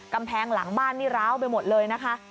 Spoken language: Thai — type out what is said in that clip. กำแพงหลังบ้านนี่ร้าวไปหมดเลยนะคะ